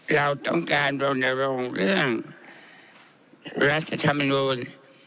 เราต้องการรณรงค์เรื่องรัฐธรรมนูล